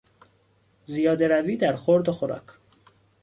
زیادهروی در خورد و خوراک